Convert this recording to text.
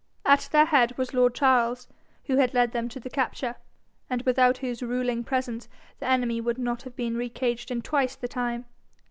At their head was lord Charles, who had led them to the capture, and without whose ruling presence the enemy would not have been re caged in twice the time.